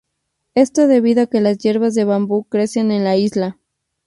Esto debido a que las Hierbas de bambú crecen en la isla.